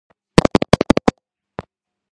ამჟამად გვირაბი ამოვსებულია ქვით და ღორღით.